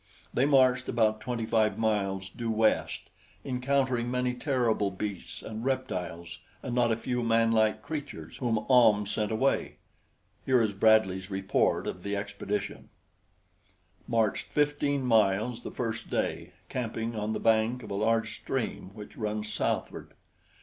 They marched about twenty five miles due west, encountering many terrible beasts and reptiles and not a few manlike creatures whom Ahm sent away. Here is Bradley's report of the expedition: Marched fifteen miles the first day, camping on the bank of a large stream which runs southward.